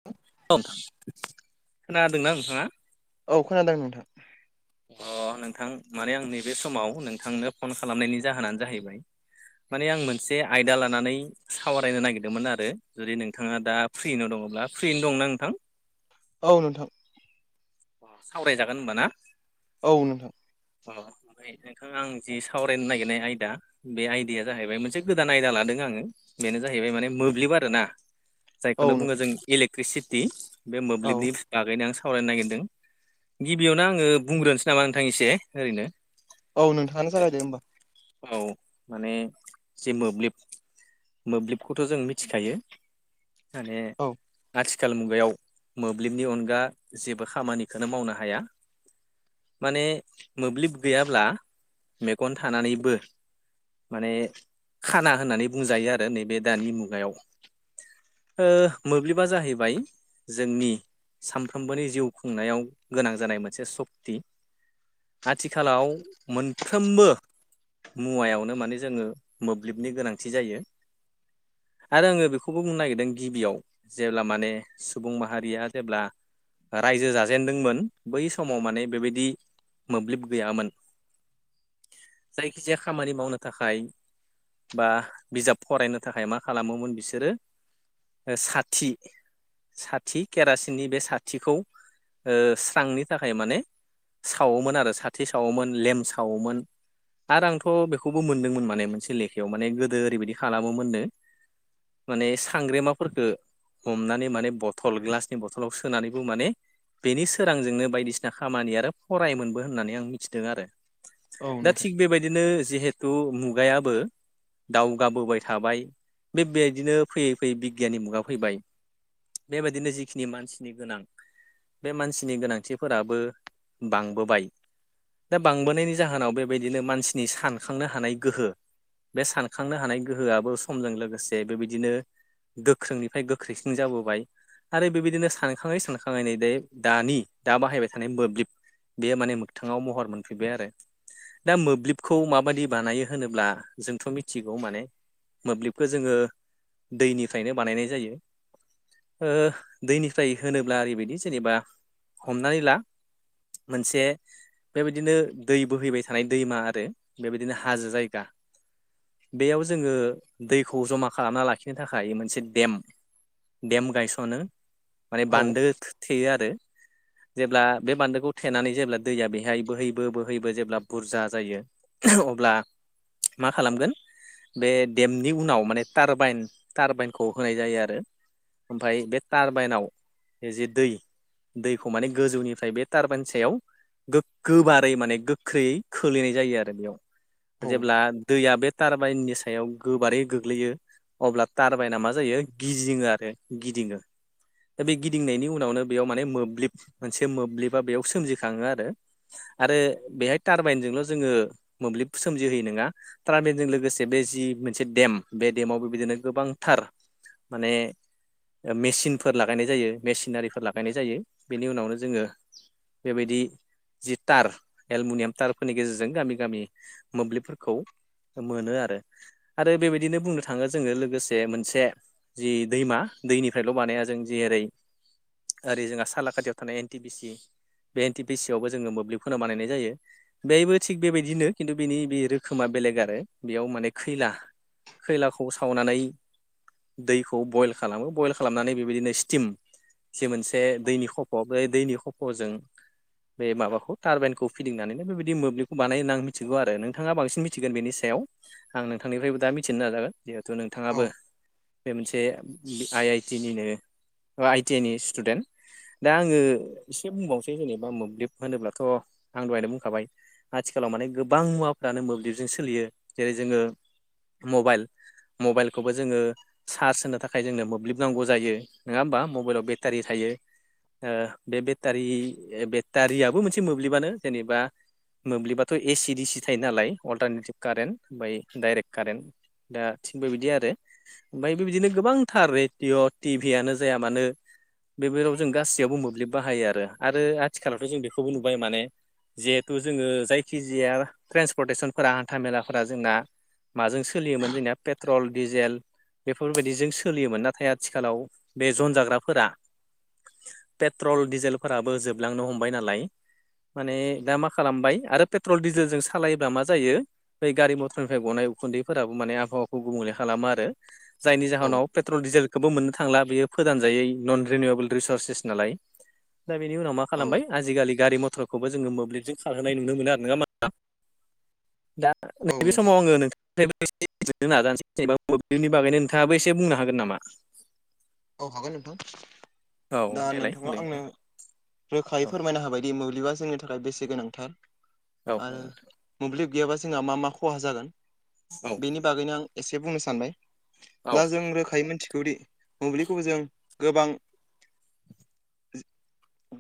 [inaudible] औ खोनादोंना नोंथाङा? औ खोनादों नोंथां। अ नोंथां माने आं नैबे समाव नोंथांनो फन खालामनायनि जाहोनानो जाहैबाय माने आं मोनसे आयदा लानानै सावरायनो नागिरदोंमोन आरो जुदि नोंथाङा दा फ्रिनो दङ'ब्ला फ्रिनो दंना नोंथां? औ नोंथां। सावरायजागोन होनबा ना? औ नोंथां। अ ओमफ्राय नोंथाङा आं जि सावरायनो नागिरनाय आयदा बे आयदाया जाहैबाय मोनसे गोदान आयदा लादों आङो बेनो जाहैबाय माने मोब्लिब आरोना। औ जायखौनो बुङो नोंथां जों इलेक्ट्रिसिटि बे औ मोब्लिबनि लागायनो आं सावरायनो नागिरदों गिबियावनो आङो बुंग्रोनोसै नामा नोंथां एसे ओरैनो औ नोंथाङा जागायदो होमबा। औ माने जे मोब्लिब मोब्लिबखौथ' जोंङो मिथिखायो माने औ आथि आथिखाल मुगायाव मोब्लिबनि अनगा जेबो खामानिखोनो मावनो हाया। माने मोब्लिब गैयाब्ला मेगन थानानै बो माने खाना होननानै बुंजायो आरो नैबे दानि मुगायाव। ओ मोब्लिबा जाहैबाय जोंनि सानफ्रोमबोनि जिउ खुंनायाव गोनां जानाय मोनसे सक्ति आथिखालाव मोनफ्रोमबो मुवायावनो माने जोङो मोब्लिबनि गोनांथि जायो। आरो आङो बेखौबो बुंनो नागिरदों गिबियाव जेब्ला माने सुबुं माहारिया जेब्ला रायजो जाजेनदोंमोन बै समाव माने बेबायदि मोब्लिब गैयामोन। जायखिजाया खामानि मावनो थाखाय बा बिजाब फरायनो थाखाय मा खालामोमोन बिसोरो ओ साथि साथि केरासिननि बे साथिखौ स्रांनि थाखाय माने सावोमोन आरो साथि सावोमोन लेम सावोमोन आरो आंथ' बेखौबो मोनदोंमोन माने मोनसे लेखायाव माने गोदो ओरैबायदि खालामोमोननो माने सांग्रेमाफोरखौ हमनानै माने बथल ग्लासनि बथलाव सोनानैबो माने बेनि सोरांजोंनो बायदिसिना खामानि आरो फरायोमोनबो होननानै आं मिथिदों आरो औ दा नोंथां थिग बेबायदिनो जिहेथु मुगायाबो दावगाबोबाय थाबाय बे बेबायदिनो फैयै फैयै बिगियाननि मुगा फैबाय बेबायदिनो जिखिनि मानसिनि गोनां बे मानसिनि गोनांथिफोराबो बांबोबाय दा बांबोनायनि जाहोनाव बेबायदिनो मानसिनि सानखांनो हानाय गोहो बे सानखांनो हानाय गोहोआबो समजों लोगोसे बेबायदिनो गोख्रोंनिफ्राय गोख्रैसिन जाबोबाय आरो बेबायदिनो सानखाङै सानखाङै नै द दानि दा बाहायबाय थानाय मोब्लिब बे माने मोगथाङाव महर मोनफैबाय आरो दा मोब्लिबखौ माबायदि बानायो होनोब्ला जोंथ' मिथिगौ माने मोब्लिबखौ जोङो दैनिफ्रायनो बानायनाय जायो दैनिफ्राय होनोब्ला ओरैबायदि जेनेबा हमनानै ला मोनसे बेबायदिनो दै बोहैबाय थानाय दैमा आरो बेबायदिनो हाजो जायगा बेयाव जोङो दैखौ जमा खालामना लाखिनो थाखाय मोनसे देम देम गायस'नो माने औ बान्दो थेयो आरो जेब्ला बे बान्दोखौ थेनानै जेब्ला दैया बेहाय बोहैबो बोहैबो जेब्ला बुरजा जायो अब्ला मा खालामगोन बे देमनि उनाव माने टारबाइन टारबाइनखौ होनाय जायो आरो ओमफ्राय बे टारबाइनाव जे दै दैखौ माने गोजौनिफ्राय बे टारबेन सायाव गो गो बारै माने गोख्रैयै खोलैनाय जायो आरो बेयाव जेब्ला दैया बे टारबाइननि सायाव गोबारै गोग्लैयो अब्ला टारबाइना मा जायो गिदिङो आरो गिदिङो दा बे गिदिंनायनि उनावनो बेयाव माने मोब्लिब मोनसे मोब्लिबा बेयाव सोमजिखाङो आरो आरो बेहाय टारबाइनजोंल' जोङो मोब्लिब सोमजिहोयो नङा ट्राबेलजों लोगोसे बे जि मोनसे देम बे देमाव बेबायदिनो गोबांथार माने मेचिनफोर लागायनाय जायो मेसिनारिफोर लागायनाय जायो बेनि उनावनो जोङो बेबायदि जि थार एलमिनियाम टार फोरनि गेजेरजों गामि गामि मोब्लिबफोरखौ मोनो आरो आरो बेबायदिनो बुंनो थाङो जोङो लोगोसे मोनसे जि दैमा दैनिफ्रायल' बानाया जों जेरै ओरै जोंहा सालाकाथियाव थानाय एन टि बि सि बे एनटि पसिवबो जोङो मोब्लिब फोना बानायनाय जायो बेबो थिग बेबायदिनो खिन्थु बिनि बे रोखोमा बेलेग आरो बेयाव माने खैला खैलाखौ सावनानै दैखौ बयल खालामो बयल खालामनानै बेबायदिनो स्टिम जि मोनसे दैनि खफ' बे दैनि खफ' जों बे माबाखौ टारबाइनखौ फिदिंनानैनो बेबायदि बिदि मोब्लिबखौ बानाय होननानै आं मिथिगौ आरो नोंथाङा बांसिन मिथिगोन बेनि सायाव आं नोंथांनिफ्रायबो दा मिथिनो नाजागोन जिहेथु औ नोंथाङाबो बे मोनसे आइ आइटि निनो आइ टि आइ नि स्टुडेन्ट दा आङो एसे बुंबावनोसै जेनेबा मोब्लिब होनोब्लाथ' आं दहायनो बुंखाबाय आथिखालाव माने गोबां मुवाफ्रानो मोब्लिबजों सोलियो जेरै जोङो मबाइल मबाइलखौबो जोङो चार्ज होनो थाखाय जोंनो मोब्लिब नांगौ जायो नोङा ओमबा मबाइलाव बेटारि थायो। ओ बे बेटारि बेटारियाबो मोनसे मोब्लिबानो जेनेबा मोब्लिबाथ' एसि डिसि थायो नालाय अलटारनेटिभ कारेन्ट ओमफ्राय डाइरेक्ट कारेन्ट दा थिन बेबायदि आरो। ओमफ्राय बेबायदिनो गोबांथार रेडिअ' टिभिआनो जाया मानो बेफोराव जों गासैयावबो मोब्लिब बाहायो आरो आरो आथिखालावथ' जों बेखौबो नुबाय माने जिहेथु जोङो जायखिजाया ट्रेन्सपर्टेसनफोरा हान्था मेलाफोरा जोंना माजों सोलियोमोन जोंनिया पेट्रल डिजेल बेफोरबायदिजों सोलियोमोन नाथाय आथिखालाव बे जन जाग्राफोरा पेट्रल डिजेलफोराबो जोबलांनो हमबाय नालाय माने दा मा खालामबाय आरो पेट्रल डिजेलजों सालायब्ला मा जायो बै गारि मटरनिफ्राय गनाय उखुन्दैफोराबो माने आबहावाखौ गुबुंले खालामो आरो जायनि औ जाहोनाव पे ट्रल डिजेलखोबो मोननो थांला बियो फोदानजायै नन रिनिउवेबोल रिसरसेस नालाय दा बेनि उनाव मा औ खालामबाय आजिखालि गारि मटरखौबो जोङो मोब्लिबजों खारहोनाय नुनो मोनो आरो नोङा ओमबा नोंथां दा औ नैबे नोंथां समाव आङो नों [unintelligible] मोब्लिबनि बागैनो नोंथाङाबो एसे बुंनो हागोन नामा? औ हागोन नोंथां औ दा देलाय नोंथाङा बुंलाय आंनो नोंथां। रोखायै फोरमायना होबायदि मोब्लिबा जोंनि थाखाय बेसे गोनांथार औ आरो मोब्लिब गैयाबा जोंहा मा मा खहा जागोन बेनि बागैनो आं एसे बुंनो सानबाय औ दा जों रोखायै मोनथिगौदि मोब्लिबखौ जों गोबां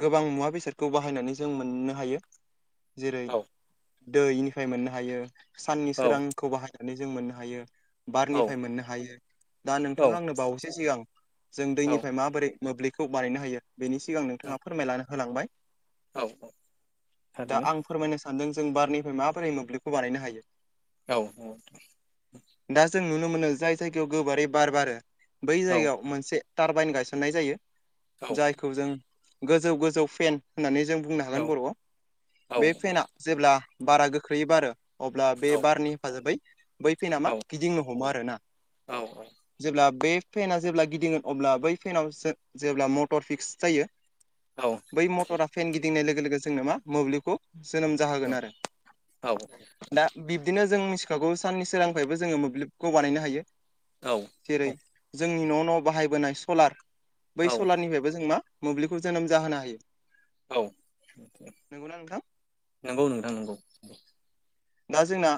गोबां मुवा बेसादखौ बाहायनानै जों मोननो हायो जेरै दैनिफ्राय मोननो हायो साननि सोरांखौ बाहाय नानै जों मोननो हायो बारनिफ्राय मोननो हायो दा नोंथाङा आंनो बावैसो सिगां जों औ दैनिफ्राय माबोरै मोब्लिबखौ बानायनो हायो बेनि सिगां नोंथाङा फोरमायना होलांबाय। औ दा थारैनो आं फोरमायनो सानदों जों बारनिफ्राय माबोरै मोब्लिबखौ बानायनो हायो? औ औ दा जों नुनो मोनो जाय जायगायाव गोबारै बार बारो बै औ जायगायाव मोनसे टारबाइन गायसननाय जायो औ जायखौ जों गोजौ गोजौ फेन होननानै जों बुंनो औ हागोन औ बर'आव औ बे औ फेनाआ जेब्ला बारा गोख्रैयै बारो अब्ला बे बारनि हेफाजाबै बै फेेनामा गिदिंनो हमो आरोना औ औ जेब्ला बे फेेनआ जेब्ला गिदिंगोन अब्ला बै फेनावो जेब्ला मटर फिक्स जायो औ बै मटरा फेन गिदिंनाय लोगो लोगो जोंनो मा मोब्लिबखौ जोनोम जाहोगोन आरो दा बिब्दिनो जों मिथिखागौ साननि सोरांनिफ्रायबो जोङो मोब्लिबखौ बानायनो हायो। औ जेरै जोंनि न' न' बाहायबोनाय सलार बै औ सलारनिफ्रायबो जों मा मोब्लिबखौ जोनोम जाहोनो हायो। औ नंगौना नोंथां नंगौ नोंथां नंगौ। दा जोंना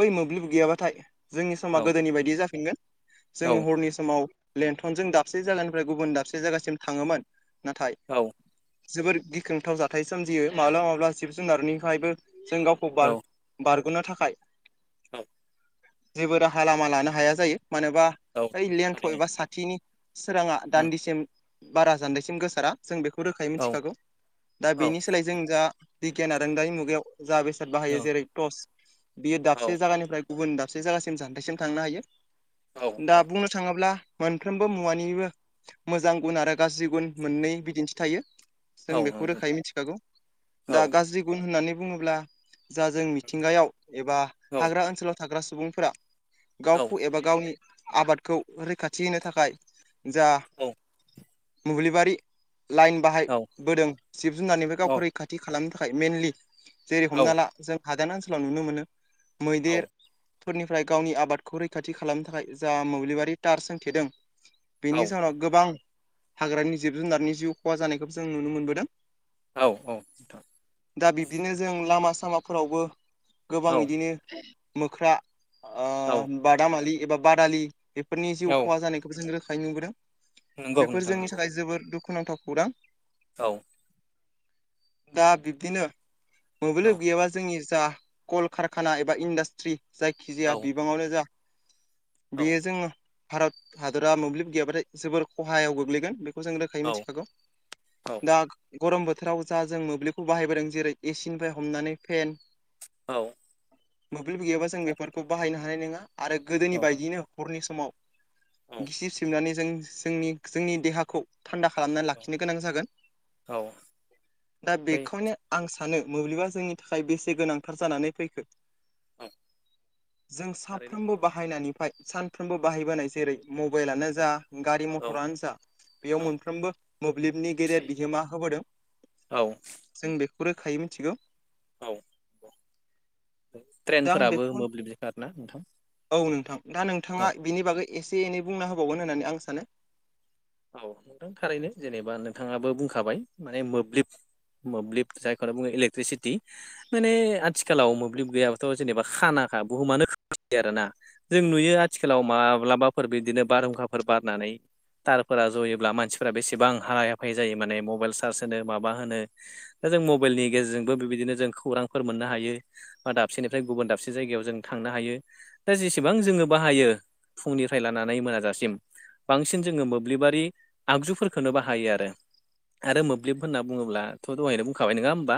बै मोब्लिब गैयाबाथाय जोंनि औ समा गोदोनि बायदि जाफिनगोन। औ जोङो हरनि समाव लेन्थनजों दाबसे जायगानिफ्राय गुबुन दाबसे जायगासिम थाङोमोन नाथाय औ जोबोर गिख्रंथाव जाथाय सोमजियो माब्लाबा माब्लाबा जिब जुनारनिफ्रायबो जों गावखौ बा औ रग'नो थाखाय औ जेबो राहा लामा लानो हाया जायो मानोबा औ ओइ लेन्थ' थारैनो एबा साथिनि सोराङा उम दान्दिसिम बारा जान्दैसिम गोसारा जों बेखौ रोखायै औ मिथिखागौ। दा औ बेनि सोलाय जों जा बिगियान आरोंदारि मुगायाव जा बेसाद बाहायो जेरै टर्च बियो औ दाबसे जागानिफ्राय गुबुन दाबसे जागासिम जान्थायसिम थांनो हायो औ दा औ बुंनो थाङोब्ला मोनफ्रोमबो मुवानिबो मोजां गुन आरो गाज्रि गुन मोननै बिदिन्थि थायो। जों बेखौ रोखायै मिथिखागौ औ दा गाज्रि गुन होननानै बुङोब्ला जा जों मिथिंगायाव एबा नोंथां हाग्रा ओनसोलाव थाग्रा सुबुंफोरा औ गावखौ एबा गावनि आबादखौ रैखाथि होनो थाखाय जा औ मोब्लिबारि लाइन बाहायबोदों जिब जुनारनिफ्राय गावखौ रैखाथि खालामनो थाखाय मेनलि जेरै औ हमना ला जों हादान ओनसोलाव नुनो मोनो मैदेर औ फोरनिफ्राय गावनि आबादखौ रैखाथि खालामनो थाखाय जा मोब्लिबारि टार सोंथेदों बेनि औ जाहोनाव गोबां हाग्रानि जिब जुनारनि जिउ खहा जानायखौ जों नुनो मोनबोदों। औ औ‌ नोंथां दा बिब्दिनो जों लामा सामाफोरावबो गोबां औ इदिनो मोख्रा औ ओ बादामालि एबा बादालि बेफोरनि औ जिउ खहा जानायखौबो जों रोखायै नुबोदों। नंगौ बेफोर नोंथां जोंनि नंगौ थाखाय जोबोद दुखुनांथाव खौरां औ दा बिब्दिनो औ मोब्लिब गैयाबा जोंनि जा कलकारखाना एबा इन्डास्ट्रि औ जायखिजाया बिबाङावनो जा औ बियो जोङो भारत हादरा मोब्लिब गैयाबाथाय जोबोर खहायाव गोग्लैगोन बे खौ जों रोखायै औ मिथिखागौ दा गरम बोथोराव जा जों मोब्लिबखौ बाहायबोदों जेरै एसि निफ्राय हमनानै फेन औ मोब्लिब गैयाबा जों बेफोरखौ बाहायनो हानाय नोङा आरो गोदोनि बायदियैनो हरनि समाव औ गिसिब सिबनानै जों जोंनि जोंनि देहाखौ थान्दा खालामनानै लाखिनो गोनां जागोन। औ दा बै बेखौनो आं सानो मोब्लिबा जोंनि थाखाय बेसे गोनांथार जानानै फैखो औ जों थारैनो साफ्रोमबो बाहायनायनिफ्राय सानफ्रोमबो बाहायबोनाय जेरै मबाइलानो जा गारि औ औ मटरानो जा बेयाव मोनफ्रोमबो मोब्लिबनि गेदेर बिहोमा होबोदों औ जों बेखौ रोखायै मिथिगौ। औ दा आं ट्रेनफोराबो बेखौ मोब्लिबजो खारोना नोंथां? औ नोंथां दा औ नोंथाङा बिनि बागै एसे एनै बुंना होबावगोन होननानै आं सानो। औ नोंथां थारैनो जेनेबा नोंथाङाबो बुंखाबाय माने मोब्लिब मोब्लिब जायखोनो बुङो इलेकट्रिसिटि माने आथिखालाव मोब्लिब गैयाबाथ' जेनेबा खानाखा बुहुमानो खोमसि आरोना। जों नुयो आथिखालाव औ माब्लाबाफोर बिदिनो बारहुंखाफोर बारनानै तारफोरा जयोब्ला मानसिफोरा बेसेबां हालाय हाफाय जायो माने मबाइल सार्स होनो माबा होनो दा जों मबाइलनि गेजेरजोंबो बेबायदिनो जों खौरांफोर मोननो हायो। बा दाबसेनिफ्राय गुबुन दाबसे जायगायाव जों थांनो हायो। दा जेसेबां जोङो बाहायो फुंनिफ्राय लानानै मोनाजासिम बांसिन जोङो मो ब्लिबारि आगजुफोरखौनो बाहायो आरो। आरो मोब्लिब होनना बुङोब्लाथ' दहायनो बुंखाबाय नोङा ओमबा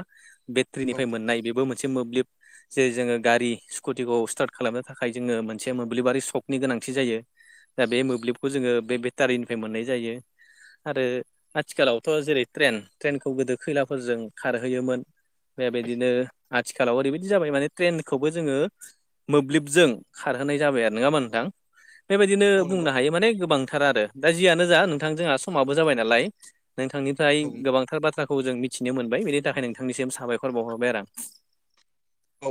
औ बेट्रिनिफ्राय मोननाय बेबो मोन से मोब्लिब। जे जोङो गारि स्कुटिखौ स्टार्ट खालामनो थाखाय जोङो मोनसे मोब्लिबारि सकनि गोनांथि जायो। दा बे मोब्लिबखौ जोङो बे बेटारिनिफ्राय मोननाय जायो आरो आथिखालावथ' जेरै ट्रेन ट्रेनखौ गोदो खैलाफोरजों खारहोयोमोन। बेबायदिनो आथिखालाव ओरैबायदि जाबाय माने ट्रेनखौबो जोङो मोब्लिबजों खारहोनाय जाबाय आरो नोङा ओमबा नोंथां बेबायदिनो औ नंगौ बुंनो हायो माने गोबांथार आरो। दा जियानो जा नोंथां जोंहा समाबो जाबाय नालाय नोंथांनिफ्राय औ गोबांथार बाथ्रा खौ जों मिथिनो मोनबाय बेनि थाखाय नोंथांनिसिम साबायखर बावहरबाय आरो आं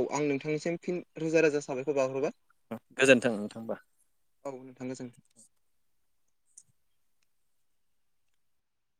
औ आं नोंथांनिसिम फिन रोजा रोजा साबायखर बावहरबाय औ गोजोन्थों नोंथां होमबा औ नोंथां गोजोन थों